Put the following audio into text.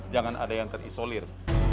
jangan ada yang terisolir